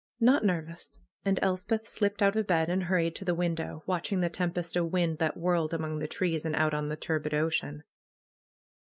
Not nervous!" And Elspeth slipped out of bed and hurried to the window, watching the tempest of wind that whirled among tlie trees, and out on the turbid ocean.